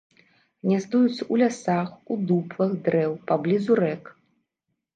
Гняздуецца ў лясах, у дуплах дрэў, паблізу рэк.